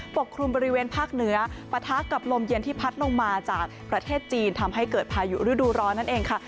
กลุ่มบริเวณภาคเหนือปะทะกับลมเย็นที่พัดลงมาจากประเทศจีนทำให้เกิดพายุฤดูร้อนนั่นเองค่ะ